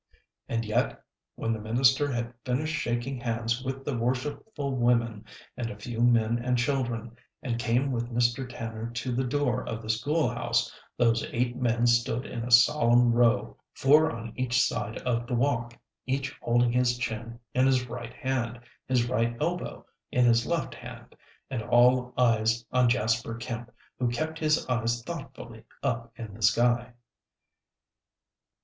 And yet, when the minister had finished shaking hands with the worshipful women and a few men and children, and came with Mr. Tanner to the door of the school house, those eight men stood in a solemn row, four on each side of the walk, each holding his chin in his right hand, his right elbow in his left hand, and all eyes on Jasper Kemp, who kept his eyes thoughtfully up in the sky.